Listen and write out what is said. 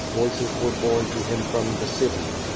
Voices were borne to him from the city.